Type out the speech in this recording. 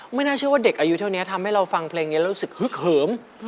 น่าเชื่อว่าเด็กอายุเท่านี้ทำให้เราฟังเพลงนี้แล้วรู้สึกฮึกเหิม